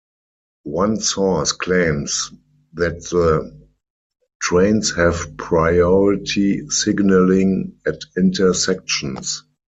One source claims that the trains have priority signalling at intersections.